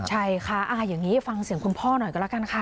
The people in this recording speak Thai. ใช่ค่ะอย่างนี้ฟังเสียงคุณพ่อหน่อยก็แล้วกันค่ะ